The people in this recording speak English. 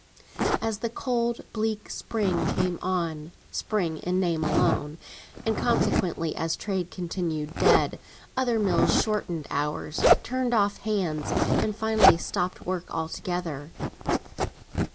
As the cold bleak spring came on (spring, in name alone), and consequently as trade continued dead, other mills shortened hours, turned off hands, and finally stopped work altogether.